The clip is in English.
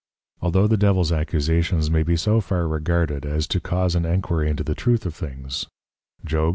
Altho' the Devil's Accusations may be so far regarded as to cause an enquiry into the truth of things, _Job 1.